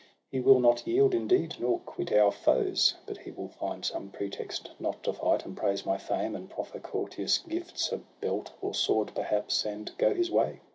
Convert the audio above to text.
He will not yield indeed, nor quit our foes. But he will find some pretext not to fight. And praise my fame, and proffer courteous gifts, A belt or sword perhaps, and go his way.